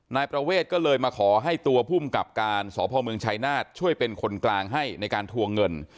นายประเวทก็เลยมาขอให้ตัวภูมิกับการสพเมืองชายนาฏช่วยเป็นคนกลางให้ในการทวงเงิน